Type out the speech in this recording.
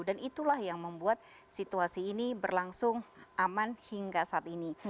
dan itulah yang membuat situasi ini berlangsung aman hingga saat ini